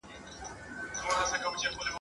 د ابوجهل د دې سکني زوی !.